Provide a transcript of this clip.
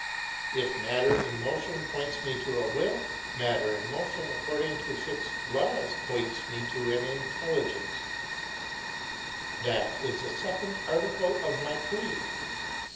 If matter in motion points me to a will, matter in motion according to fixed laws points me to an intelligence; that is the second article of my creed.